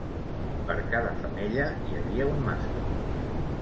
Per cada femella hi havia un mascle.